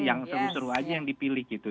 yang seru seru aja yang dipilih gitu